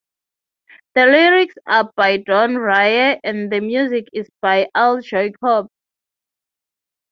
The lyrics are by Don Raye and the music is by Al Jacobs.